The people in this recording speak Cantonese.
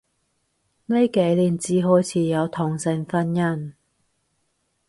呢幾年至開始有同性婚姻